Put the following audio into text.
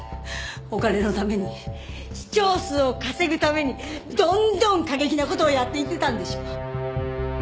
お金のために視聴数を稼ぐためにどんどん過激な事をやっていってたんでしょ？